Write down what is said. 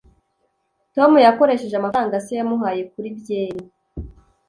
tom yakoresheje amafaranga se yamuhaye kuri byeri.